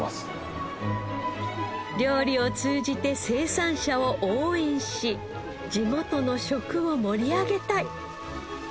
料理を通じて生産者を応援し地元の食を盛り上げたい！